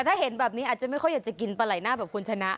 ถ้าเห็นแบบนี้อาจจะไม่ค่อยอยากจะกินปลาไหล่หน้าแบบคุณชนะ